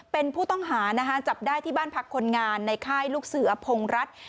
เป็นผู้ต้องหานะคะจับได้ที่บ้านพักคนงานในค่ายลูกเสืออพงรัฐ